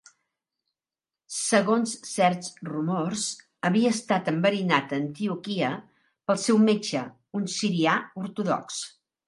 Segons certs rumors, havia estat enverinat a Antioquia pel seu metge, un sirià ortodox.